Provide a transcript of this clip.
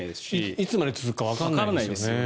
いつまで続くかわからないですよね。